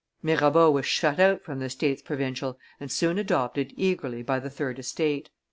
Mirabeau was shut out from the states provincial and soon adopted eagerly by the third estate.